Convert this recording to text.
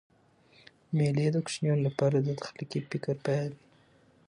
مېلې د کوچنیانو له پاره د تخلیقي فکر پیل يي.